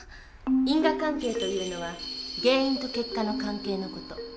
因果関係というのは原因と結果の関係の事。